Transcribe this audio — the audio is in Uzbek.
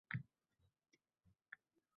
– Biiir, ikkii, uuch, to‘o‘rt, beesh…